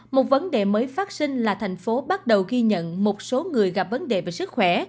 một vấn đề mới phát sinh là thành phố bắt đầu ghi nhận một số người gặp vấn đề về sức khỏe